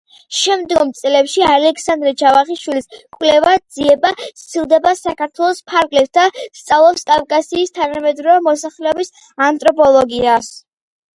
შემდგომ წლებში ალექსანდრე ჯავახიშვილის კვლევა-ძიება სცილდება საქართველოს ფარგლებს და სწავლობს კავკასიის თანამედროვე მოსახლეობის ანთროპოლოგიას.